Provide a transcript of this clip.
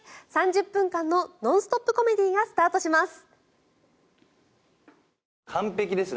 ３０分間のノンストップコメディーがスタートします。